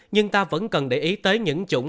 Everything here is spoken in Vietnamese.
nhưng ta vẫn cần để ý tới những chủng